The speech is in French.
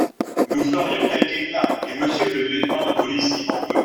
Nous ferions quelque éclat, et Monsieur le lieutenant de police qui m’en veut…